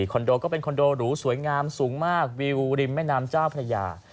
โดก็เป็นคอนโดหรูสวยงามสูงมากวิวริมแม่น้ำเจ้าพระยา